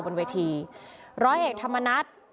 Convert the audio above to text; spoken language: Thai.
บนเวทีร้อยเอกธรรมนัฐ